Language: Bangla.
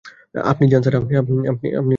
আপনি যান, স্যার।